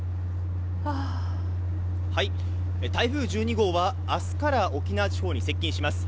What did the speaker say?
台風１２号は明日から沖縄地方に接近します。